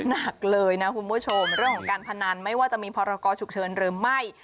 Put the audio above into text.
หนักเลยนะคุณผู้ชมเรื่องของการพนันไม่ว่าจะมีพรกรฉุกเฉินหรือไม่